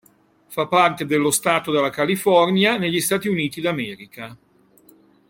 Fa parte dello Stato della California, negli Stati Uniti d'America.